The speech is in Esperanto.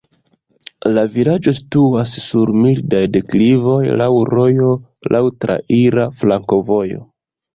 La vilaĝo situas sur mildaj deklivoj, laŭ rojo, laŭ traira flankovojo.